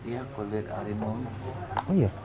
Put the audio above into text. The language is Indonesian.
ya kode harimau